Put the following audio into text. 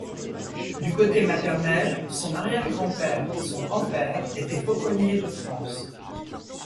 Du côté maternel, son arrière-grand-père et son grand-père étaient fauconniers de France.